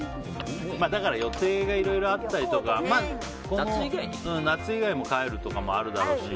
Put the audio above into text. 予定がいろいろあったりとか夏以外も帰るとかもあるだろうし。